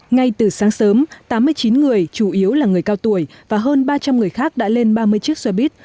ngay từ sáng sớm tám mươi chín người chủ yếu là người cao tuổi và hơn ba trăm linh người khác đã lên ba mươi chiếc xe buýt